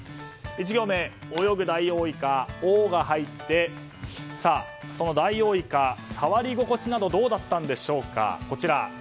１行目、泳ぐダイオウイカの「オ」が入ってそのダイオウイカ触り心地などどうだったんでしょうか。